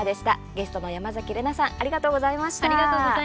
ゲストの山崎怜奈さんありがとうございました。